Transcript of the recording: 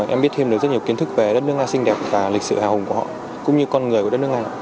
em biết thêm được rất nhiều kiến thức về đất nước nga xinh đẹp và lịch sử hào hùng của họ cũng như con người của đất nước nga